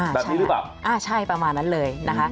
แบบนี้หรือเปล่าอ่าใช่ประมาณนั้นเลยนะคะ